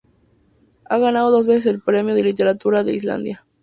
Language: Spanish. Ha ganado dos veces el Premio de Literatura de Islandia.